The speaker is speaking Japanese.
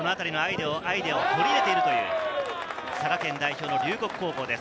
そのあたりアイデアを取り入れている佐賀県代表の龍谷高校です。